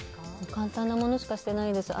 簡単なものしかしてないです。